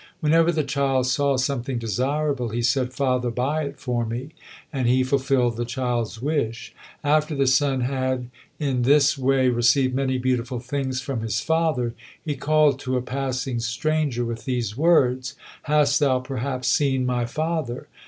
Whenever the child saw something desirable, he said, "Father, buy it for me," and he fulfilled the child's wish. After the son had in this way received many beautiful things from his father, he called to a passing stranger with these words, "Hast thou perhaps seen my father?"